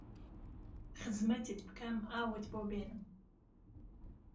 خزمهتت پکەم ئاوت بۆ بێنم